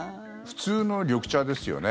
普通の緑茶ですよね。